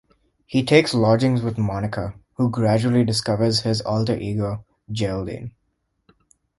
He takes lodgings with Monica, who gradually discovers his alter ego, "Geraldine".